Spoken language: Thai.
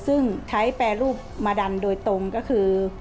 ซึ่งใช้แปรรูปมาดันโดยตรงก็คือ